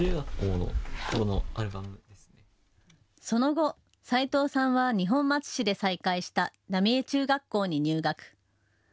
その後、齊藤さんは二本松市で再開した浪江中学校に入学。